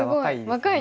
若い。